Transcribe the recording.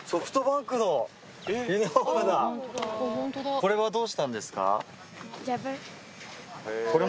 これはどうしたんですか？